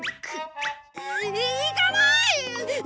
い行かない！